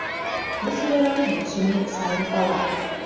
Тысе верым Нацуме сайын пала.